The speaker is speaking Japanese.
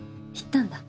行ったんだ？